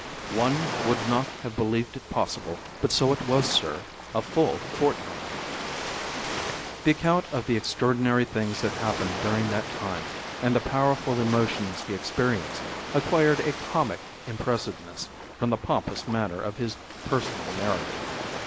"One would not have believed it possible; but so it was, sir. A full fortnight." The account of the extraordinary things that happened during that time, and the powerful emotions he experienced, acquired a comic impressiveness from the pompous manner of his personal narrative.